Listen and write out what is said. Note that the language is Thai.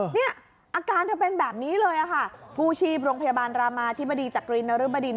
เนี่ยอาการเธอเป็นแบบนี้เลยค่ะกู้ชีพโรงพยาบาลรามาธิบดีจักรีนรึบดิน